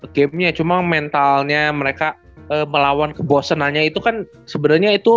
bukan masalah ya gamenya cuma mentalnya mereka melawan kebosenannya itu kan sebenarnya itu